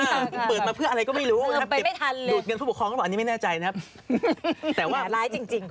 อาจจะเปิดมาเพื่ออะไรก็ไม่รู้ดูดเงินผู้ปกครองกันหรอกอันนี้ไม่แน่ใจนะครับ